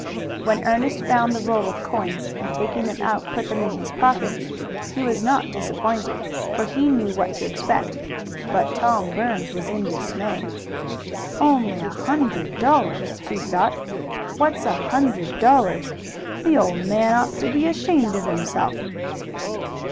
When Ernest found the roll of coins, and taking them out put them in his pocket, he was not disappointed, for he knew what to expect, but Tom Burns was in dismay. "Only a hundred dollars!" he thought. "What's a hundred dollars? The old man ought to be ashamed of himself!"